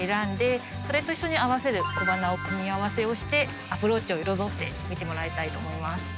それと一緒に合わせる小花を組み合わせをしてアプローチを彩ってみてもらいたいと思います。